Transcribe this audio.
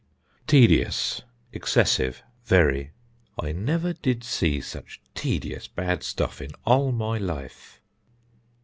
Tedious (Excessive; very): "I never did see such tedious bad stuff in all my life."